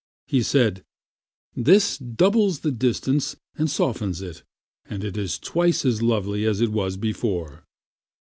He said, "This doubles the distance and softens it, and it is twice as lovely as it was before."